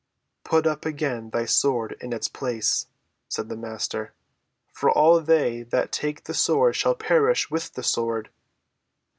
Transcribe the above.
"Put up again thy sword into its place," said the Master; "for all they that take the sword shall perish with the sword."